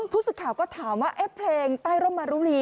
ผู้สึกข่าวก็ถามว่าแอ๊ะเพลงไต้รมรุลี